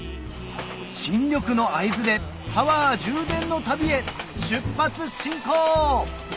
・新緑の会津でパワー充電の旅へ出発進行！